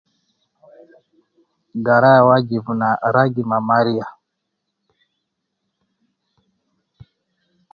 Garaya wajib na ragi ma mariya.